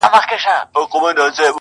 نه په طبیب سي نه په دعا سي.